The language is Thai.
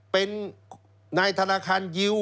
เป็นนายธนาคารยิว